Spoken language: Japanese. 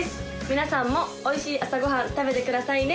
皆さんもおいしい朝ご飯食べてくださいね